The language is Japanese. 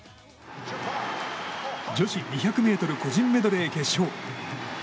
女子２００ｍ個人メドレー決勝。